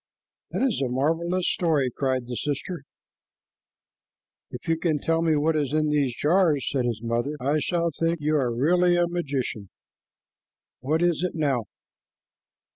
"That is a marvelous story," cried the sister. "If you can tell me what is in these jars," said his mother, "I shall think you are really a magician. What is it now?"